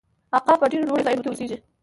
عقاب په ډیرو لوړو ځایونو کې اوسیږي